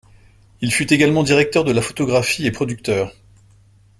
Il fut également directeur de la photographie et producteur.